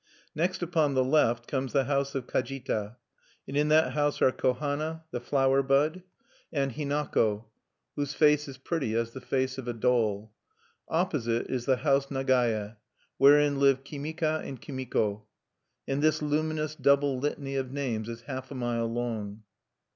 Next upon the left comes the House of Kajita; and in that house are Kohana, the Flower Bud, and Hinako, whose face is pretty as the face of a doll. Opposite is the House Nagaye, wherein live Kimika and Kimiko.... And this luminous double litany of names is half a mile long.